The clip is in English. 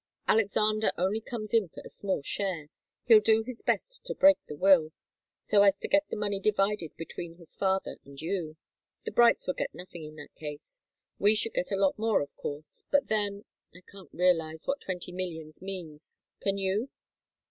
Alexander only comes in for a small share. He'll do his best to break the will, so as to get the money divided between his father and you. The Brights would get nothing, in that case. We should get a lot more, of course but then I can't realize what twenty millions mean, can you?